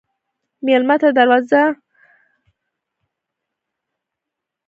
مېلمه ته دروازه پر وخت خلاصه کړه.